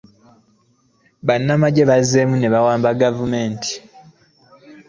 Bannamagye bazzeemu ne bawamba gavumenti.